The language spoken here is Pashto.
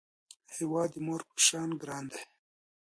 هیواد د مور په شان ګران دی